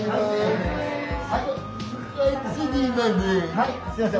はいすいません